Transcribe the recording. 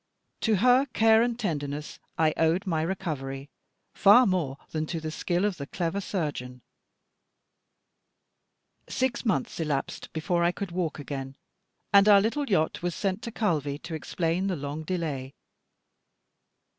To her care and tenderness I owed my recovery, far more than to the skill of the clever surgeon. Six months elapsed before I could walk again, and our little yacht was sent to Calvi to explain the long delay.